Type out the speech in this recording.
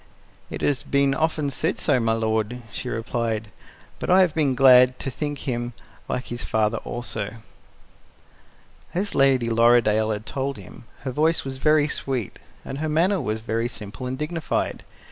"It has been often said so, my lord," she replied, "but I have been glad to think him like his father also." As Lady Lorridaile had told him, her voice was very sweet, and her manner was very simple and dignified.